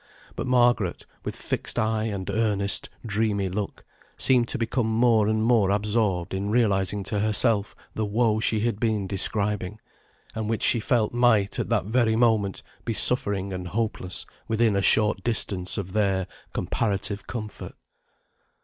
But Margaret, with fixed eye, and earnest, dreamy look, seemed to become more and more absorbed in realising to herself the woe she had been describing, and which she felt might at that very moment be suffering and hopeless within a short distance of their comparative comfort.